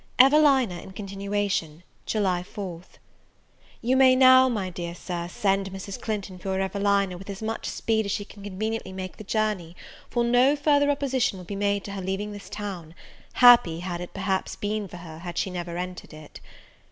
EVELINA IN CONTINUATION. July 4th. YOU may now, my dear Sir, send Mrs. Clinton for your Evelina with as much speed as she can conveniently make the journey, for no further opposition will be made to her leaving this town: happy had it perhaps been for her had she never entered it!